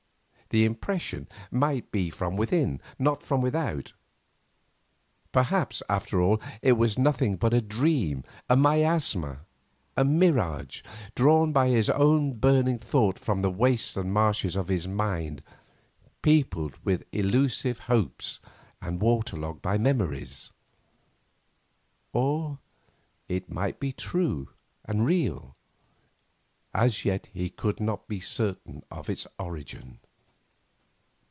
The impression might be from within, not from without. Perhaps, after all, it was nothing but a dream, a miasma, a mirage, drawn by his own burning thought from the wastes and marshes of his mind peopled with illusive hopes and waterlogged by memories. Or it might be true and real; as yet he could not be certain of its origin.